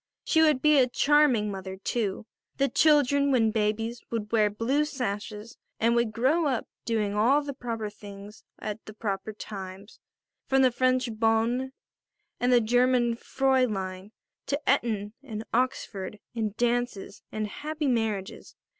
She would be a charming mother, too; the children, when babies, would wear blue sashes and would grow up doing all the proper things at the proper times, from the French bonne and the German Fräulein to Eton and Oxford and dances and happy marriages.